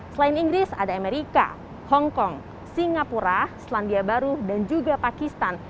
selain inggris ada amerika hongkong singapura selandia baru dan juga pakistan